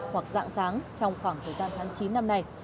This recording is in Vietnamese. hoặc dạng sáng trong khoảng thời gian tháng chín năm nay